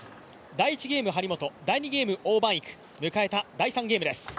第１ゲーム、張本美和、第２ゲーム、王曼イク、迎えた第３ゲームです。